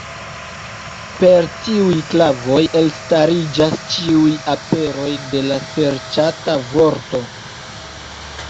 Per tiuj klavoj elstariĝas ĉiuj aperoj de la serĉata vorto.